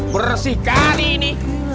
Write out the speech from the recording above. bersih kali ini